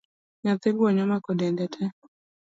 Nyathi gwonyo omaki dende tee